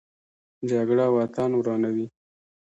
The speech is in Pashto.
جګړه وطن ورانوي